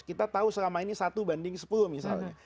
kita tahu selama ini satu banding sepuluh misalnya